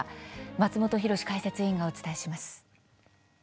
松本浩司解説委員とお伝えします。